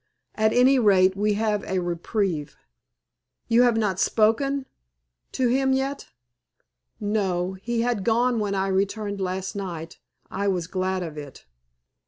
At any rate we have a reprieve." "You have not spoken to him yet." "No; he had gone when I returned last night. I was glad of it."